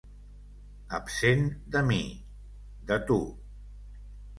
Absent de mi, de tu.